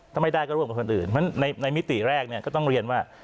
ถ้าไม่ได้ก็ร่วมกับคนอื่นในมิติแรกก็ต้องเรียนว่า